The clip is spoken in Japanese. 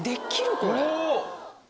これ。